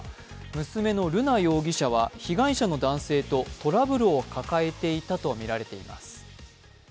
娘の瑠奈容疑者は被害者の男性とトラブルを抱えていたとみられています。